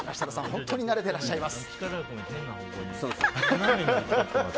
本当に慣れていらっしゃいます。